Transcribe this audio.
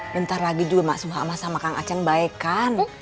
bentar lagi juga suha sama kang aceng baik kan